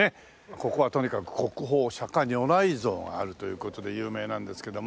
ここはとにかく国宝釈如来像があるという事で有名なんですけども。